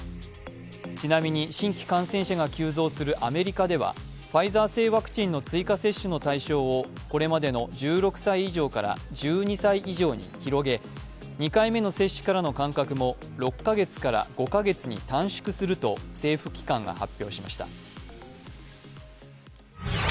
ちなみに新規感染者が急増するアメリカではファイザー製ワクチンの追加接種の対象をこれまでの１６歳以上から１２歳以上に広げ、２回目の接種からの間隔も６カ月から５カ月に短縮すると政府機関が発表しました。